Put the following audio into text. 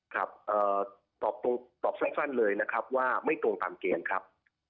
ครับตอบสั้นเลยนะครับว่าไม่ตรงตามเกณฑ์ครับ